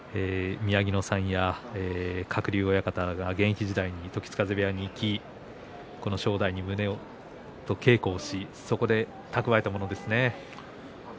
宮城野さんや鶴竜親方が時津風部屋に行き正代と稽古をし蓄えたものですね。